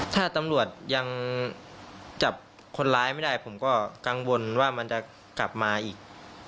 ถ้าตำรวจยังจับคนร้ายไม่ได้ผมก็กังวลว่ามันจะกลับมาอีก